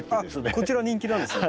こちら人気なんですか？